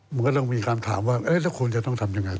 มันก็ต้องมีคำถามว่าถ้าควรจะต้องทำอย่างไรต่อ